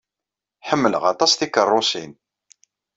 Ḥemmleɣ aṭas tikeṛṛusin.